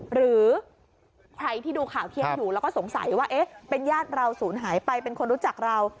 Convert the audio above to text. หรือใครที่ดูข่าวเที่ยงอยู่แล้วก็สงสัยว่าเอ๊ะเป็นญาติเราศูนย์หายไปเป็นคนรู้จักเรา